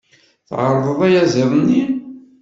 Tεerḍeḍ ayaziḍ-nni?